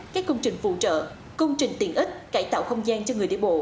các công trình phụ trợ công trình tiện ích cải tạo không gian cho người đi bộ